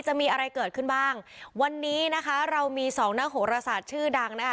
จะมีอะไรเกิดขึ้นบ้างวันนี้นะคะเรามีสองนักโหรศาสตร์ชื่อดังนะคะ